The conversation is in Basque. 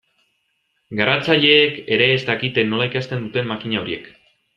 Garatzaileek ere ez dakite nola ikasten duten makina horiek.